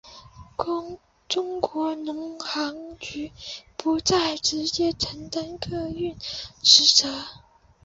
中国民航局不再直接承担客运职责。